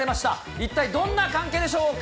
一体どんな関係でしょうか。